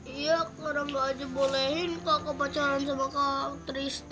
iya karena mbak aja bolehin kakak pacaran sama kak tristan